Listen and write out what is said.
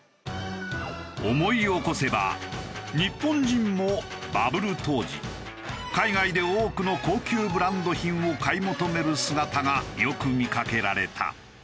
思い起こせば日本人もバブル当時海外で多くの高級ブランド品を買い求める姿がよく見かけられた。